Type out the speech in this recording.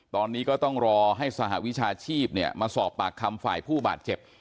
ตอนนี้ก็ต้องรอให้สหวิชาชีพมาสอบปากคำฝ่ายผู้บาดเจ็บ